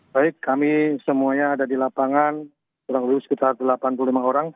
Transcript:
baik kami semuanya ada di lapangan kurang lebih sekitar delapan puluh lima orang